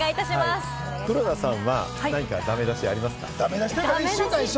黒田さんは何かダメ出しありますか？